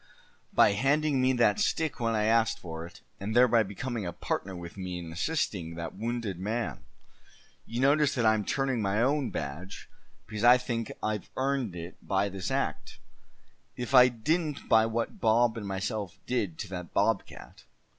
"By handing me that stick when I asked for it, and thereby becoming a partner with me in assisting that wounded man. You notice that I'm turning my own badge, because I think I've earned it by this act, if I didn't by what Bob and myself did to that bobcat.